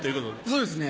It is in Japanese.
そうですね。